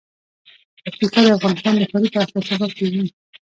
پکتیکا د افغانستان د ښاري پراختیا سبب کېږي.